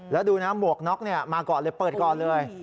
แล้วดูหมวกนอกมาเปิดก่อนเลย